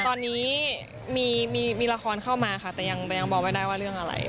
ตอนนี้มีละครเข้ามาค่ะแต่ยังบอกไม่ได้ว่าเรื่องอะไร